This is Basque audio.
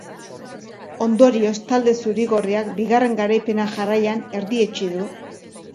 Ondorioz, talde zuri-gorriak bigarren garaipena jarraian erdietsi du.